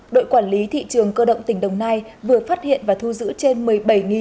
đội quản lý thị trường cơ động tỉnh đồng nai vừa phát hiện và thu giữ trên một mươi bảy